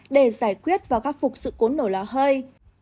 để giải quyết và khắc phục sự cố nổ lò hơi